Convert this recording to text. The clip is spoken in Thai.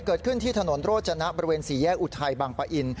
เกิดขึ้นที่ถนนโรจนะบริเวณสี่แยกอุทัยบางปะอิน